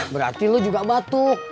berarti lo juga batuk